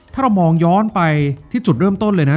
ถ้าเรามองย้อนไปที่จุดเริ่มต้นเลยนะ